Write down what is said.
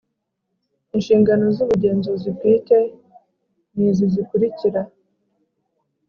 Inshingano z ubugenzuzi bwite ni izi zikurikira